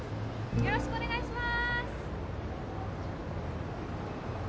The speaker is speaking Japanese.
よろしくお願いします